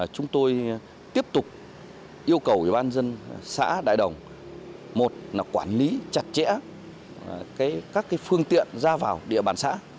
chúng tôi tiếp tục yêu cầu ủy ban dân xã đại đồng một là quản lý chặt chẽ các phương tiện ra vào địa bàn xã